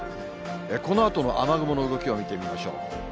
このあとの雨雲の動きを見てみましょう。